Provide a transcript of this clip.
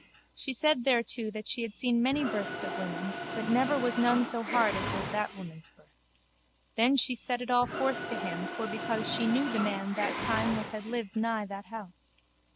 She said thereto that she had seen many births of women but never was none so hard as was that woman's birth. Then she set it all forth to him for because she knew the man that time was had lived nigh that house.